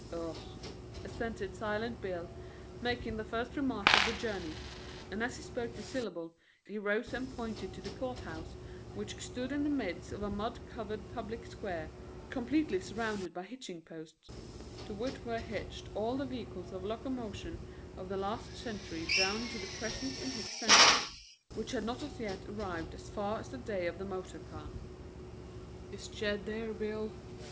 "Ugh," assented silent Bill, making the first remark of the journey, and as he spoke the syllable he rose and pointed to the courthouse, which stood in the midst of a mud covered public square, completely surrounded by hitching posts to which were hitched all the vehicles of locomotion of the last century down to the present in Hicks Center which had not as yet arrived as far as the day of the motor car. "Is Jed in there, Bill?"